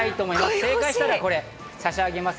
正解したら、これを差し上げます。